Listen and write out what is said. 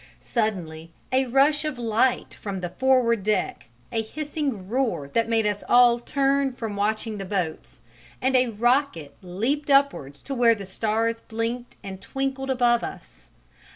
Suddenly a rush of light from the forward deck, a hissing roar that made us all turn from watching the boats, and a rocket leapt upwards to where the stars blinked and twinkled above us.